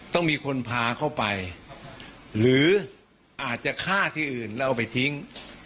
ต้องมีคนพาเข้าไปหรืออาจจะฆ่าที่อื่นแล้วเอาไปทิ้ง